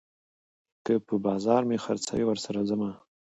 که په بازار مې خرڅوي، ورسره ځمه